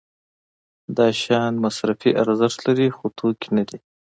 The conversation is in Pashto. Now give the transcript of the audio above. دا شیان مصرفي ارزښت لري خو توکي نه دي.